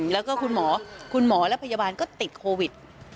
แล้วก็คุณหมอคุณหมอและพยาบาลก็ติดโควิด